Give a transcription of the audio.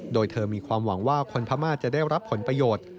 โดยเธอมีความหวังว่าคนพม่าจะได้รับผลประโยชน์